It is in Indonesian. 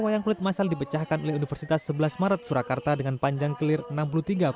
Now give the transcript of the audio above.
wayang kulit masal dipecahkan oleh universitas sebelas maret surakarta dengan panjang clear enam puluh tiga km